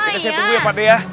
ya saya tunggu ya pak d ya